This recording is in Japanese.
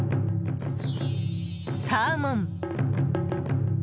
サーモン。